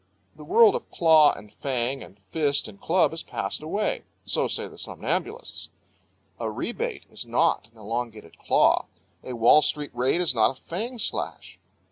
The world of claw and fang and fist and club has passed away so say the somnambulists. A rebate is not an elongated claw. A Wall Street raid is not a fang slash.